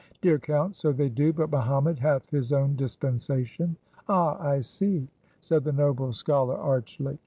"Dear Count, so they do; but Mohammed hath his own dispensation." "Ah! I see," said the noble scholar archly.